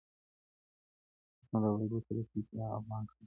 اوس نو دا باید وڅیړل سي، چي د "افغان" کلمه له